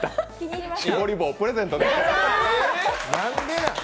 しぼり棒、プレゼントです。